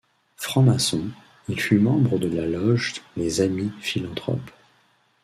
Franc-maçon, il fut membre de la Loge Les Amis philanthropes.